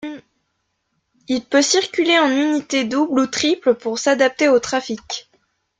Il peut circuler en unités doubles ou triples pour s'adapter au trafic.